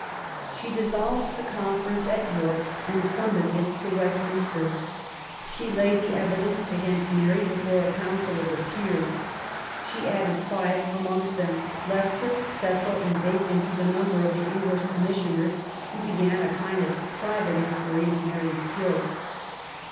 She dissolved the conference at York and summoned it to Westminster. She laid the evidence against Mary before a Council of the Peers. She added five, amongst them Leicester, Cecil and Bacon, to the number of the English Commissioners, who began a kind of private inquiry into Mary's guilt.